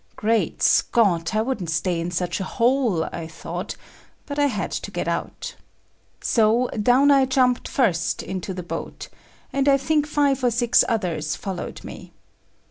Great Scott! I wouldn't stay in such a hole, I thought, but I had to get out. So, down I jumped first into the boat, and I think five or six others followed me.